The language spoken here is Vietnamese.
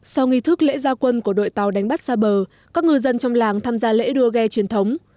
sau nghi thức lễ gia quân của đội tàu đánh bắt xa bờ các ngư dân trong làng tham gia lễ đua ghe truyền thống